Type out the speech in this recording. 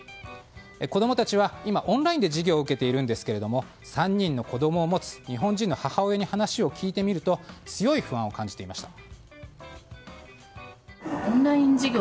子供たちは今オンラインで授業を受けているんですけども３人の子供を持つ日本人の母親に話を聞いてみると強い不安を感じていました。